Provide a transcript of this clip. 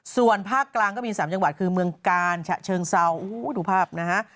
ส่วนภาคกลางก็มี๓จังหวัดคือเมืองกาลฉะเชิงเซาดูภาพนะฮะ